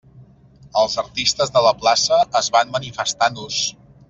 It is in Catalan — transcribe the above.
Els artistes de la plaça es van manifestar nus.